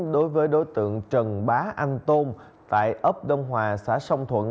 đối với đối tượng trần bá anh tôn tại ấp đông hòa xã sông thuận